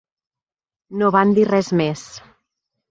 No van dir res més.